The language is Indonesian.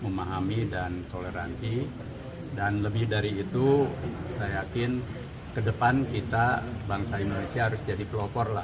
memahami dan toleransi dan lebih dari itu saya yakin ke depan kita bangsa indonesia harus jadi pelopor lah